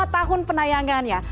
lima tahun penayangannya